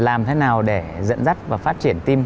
làm thế nào để dẫn dắt và phát triển team